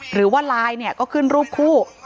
หรือว่าไลน์เนี่ยก็ขึ้นรูปคู่